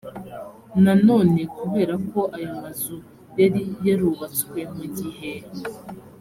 nanone kubera ko ayo mazu yari yarubatswe mu gihe